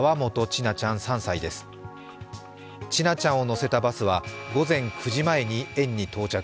千奈ちゃんを乗せたバスは午前９時前に園に到着。